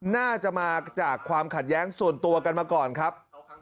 น่าจะมาจากความขัดแย้งส่วนตัวกันมาก่อนครับ